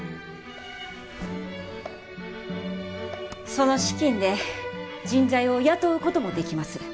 その資金で人材を雇うこともできます。